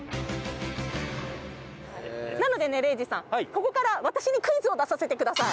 なのでね礼二さんここから私にクイズを出させて下さい。